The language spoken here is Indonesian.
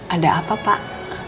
ada apa pak